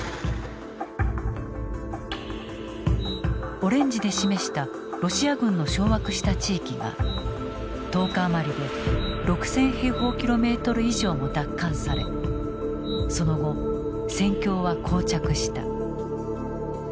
オレンジで示したロシア軍の掌握した地域が１０日余りで６，０００平方キロメートル以上も奪還されその後戦況は膠着した。